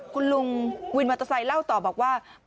คุณลุงวินมอเตอร์ไซค์เล่าต่อบอกว่า